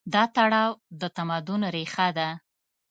دا تړاو د تمدن ریښه ده.